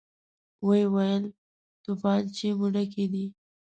ويې ويل: توپانچې مو ډکې دي؟